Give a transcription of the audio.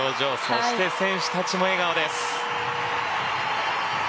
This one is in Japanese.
そして、選手たちも笑顔です。